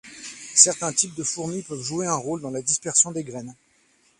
Certains types de fourmis peuvent jouer un rôle dans la dispersion des graines.